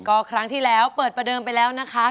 ก็ครั้งที่แล้วเปิดประเดิมไปแล้วนะคะ